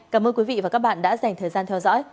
cảm ơn quý vị và các bạn đã dành thời gian theo dõi